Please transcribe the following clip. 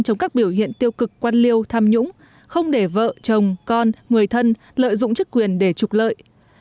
trong các biểu hiện tiêu cực quan liêu tham nhũng không để vợ chồng con người thân lợi dụng chức quyền để trục lợi